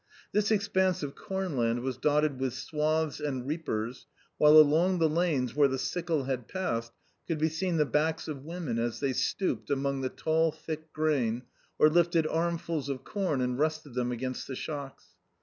This expanse of corn land was dotted with swathes and reapers, while along the lanes where the sickle had passed could be seen the backs of women as they stooped among the tall, thick grain or lifted armfuls of corn and rested them against the shocks.